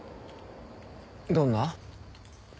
どんな？